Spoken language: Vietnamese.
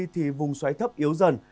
thì vùng xoáy thấp yếu dần